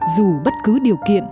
dù bất cứ điều kiện